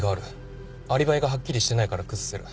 アリバイがはっきりしてないから崩せる。